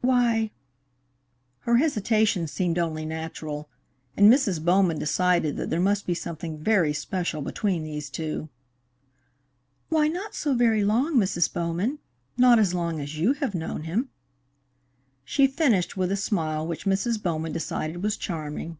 "Why " Her hesitation seemed only natural, and Mrs. Bowman decided that there must be something very special between these two. "Why, not so very long, Mrs. Bowman not as long as you have known him." She finished with a smile which Mrs. Bowman decided was charming.